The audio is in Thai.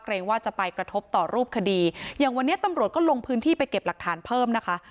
ว่าจะไปกระทบต่อรูปคดีอย่างวันนี้ตำรวจก็ลงพื้นที่ไปเก็บหลักฐานเพิ่มนะคะ